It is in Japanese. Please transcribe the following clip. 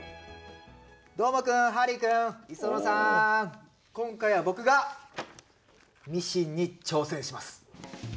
どーもくん、ハリー君礒野さん、今回は僕がミシンに挑戦します。